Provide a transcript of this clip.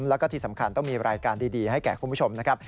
แล้วก็ที่สำคัญต้องมีรายการดีให้แก่คุณผู้ชมนะครับ